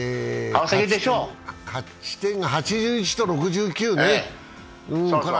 勝ち点が８１と６９ね。